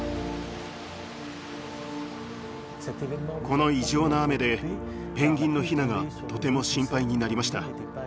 この異常な雨でペンギンのヒナがとても心配になりました。